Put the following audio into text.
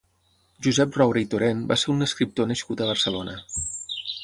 Josep Roure i Torent va ser un escriptor nascut a Barcelona.